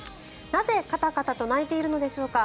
なぜカタカタと鳴いているのでしょうか。